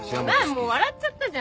もう笑っちゃったじゃん。